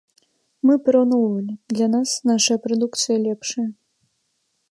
Мы параўноўвалі, для нас нашая прадукцыя лепшая.